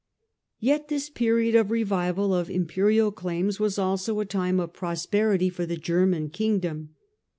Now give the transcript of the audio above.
Yet this period of revival of imperial claims was also a time of prosperity for the German kingdom.